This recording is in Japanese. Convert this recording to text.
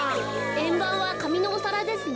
えんばんはかみのおさらですね。